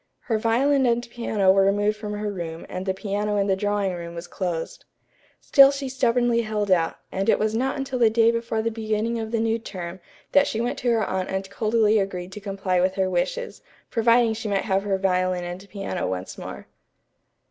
Her violin and piano were removed from her room and the piano in the drawing room was closed. Still she stubbornly held out, and it was not until the day before the beginning of the new term that she went to her aunt and coldly agreed to comply with her wishes, providing she might have her violin and piano once more.